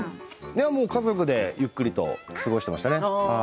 家族でゆっくりと過ごしていましたね。